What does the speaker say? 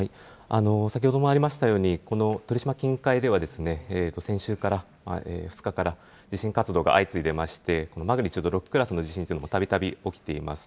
先ほどもありましたように、この鳥島近海では先週から、２日から、地震活動が相次いでいまして、マグニチュード６クラスの地震というのもたびたび起きています。